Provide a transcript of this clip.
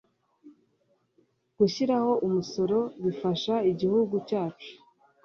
Gushiraho umusoro bifasha igihugu cyacu